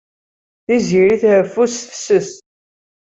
Tiziri treffu s tefses.